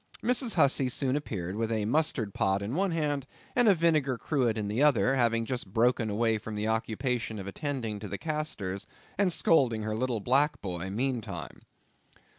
Mrs. Hussey soon appeared, with a mustard pot in one hand and a vinegar cruet in the other, having just broken away from the occupation of attending to the castors, and scolding her little black boy meantime.